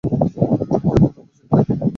জানতাম প্রস্তুত থাকবি না।